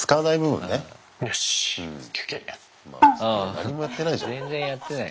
何もやってないじゃない。